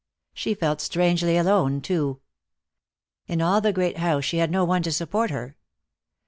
She felt strangely alone, too. In all the great house she had no one to support her.